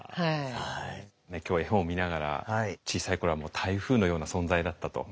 今日は絵本見ながら小さい頃は台風のような存在だったと。